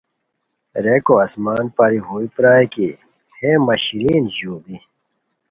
ریکو آسمان پری ہوئی پرائے کی ہیں مہ شیرین ژوڑی!